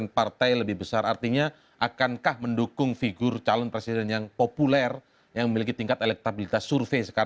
nah kemudian berusaha keras agar